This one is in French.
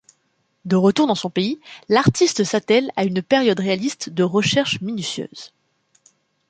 De retour dans son pays, l'artiste s'attèle à une période réaliste de recherche minutieuse.